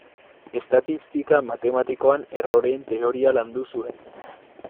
Estatistika matematikoan erroreen teoria landu zuen.